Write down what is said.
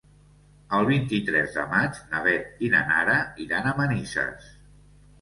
El vint-i-tres de maig na Beth i na Nara iran a Manises.